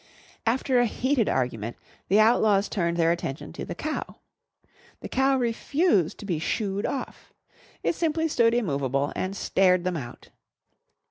After a heated argument, the Outlaws turned their attention to the cow. The cow refused to be "shoo'd off." It simply stood immovable and stared them out.